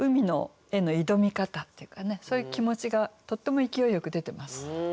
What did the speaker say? そういう気持ちがとっても勢いよく出てます。